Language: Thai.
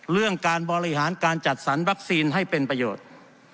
เรื่องการบริหารการจัดสรรวัคซีนให้เป็นประโยชน์